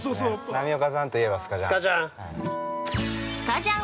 波岡さんといえばスカジャン。